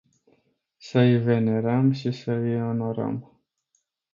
Să îi venerăm și să îi onorăm.